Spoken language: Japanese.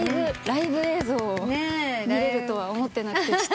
ライブ映像を見られるとは思ってなくて。